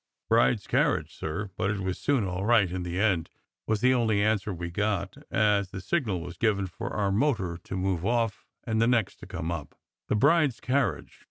"Bride s carriage, sir; but it was soon all right in the end," was the only answer we got, as the signal was given for our motor to move off and the next to come up. " The bride s carriage